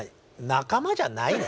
仲間じゃないね。